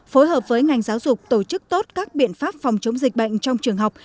phối hợp với ngành giáo dục tổ chức tốt các biện pháp phòng chống dịch bệnh trong trường học